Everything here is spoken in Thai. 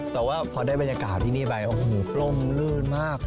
แต่ว่าพอได้บรรยากาศที่นี่ไปโอ้โหปล้นลื่นมาก